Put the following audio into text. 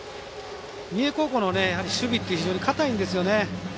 三重高校の守備って非常に堅いんですよね。